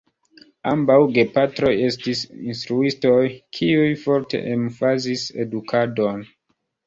Ambaŭ gepatroj estis instruistoj; kiuj forte emfazis edukadon.